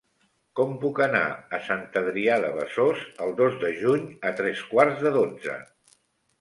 Com puc anar a Sant Adrià de Besòs el dos de juny a tres quarts de dotze?